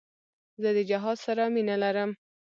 زه د جهاد سره مینه لرم.